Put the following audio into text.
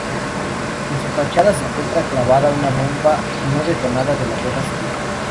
En su fachada se encuentra clavada una bomba no detonada de la Guerra Civil.